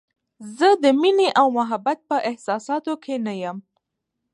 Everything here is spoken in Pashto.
زه د مینې او محبت په احساساتو کې نه یم.